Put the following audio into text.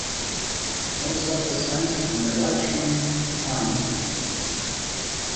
Most of the songs on Mellotron On!